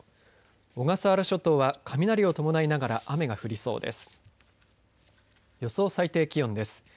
小笠原諸島は雷を伴いながら雨が降りそうです。